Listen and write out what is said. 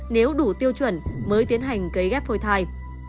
nếu đủ tiêu chuẩn mới tiến hành cấy ghép phôi thai